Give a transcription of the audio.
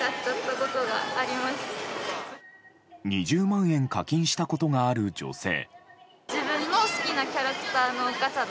２０万円課金したことがある女性。